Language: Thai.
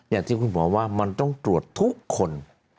อย่างที่คุณหมอว่ามันต้องตรวจทุกคน